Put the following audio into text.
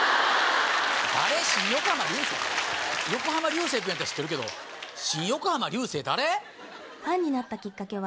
横浜流星君やったら知ってるけど新横浜流星誰？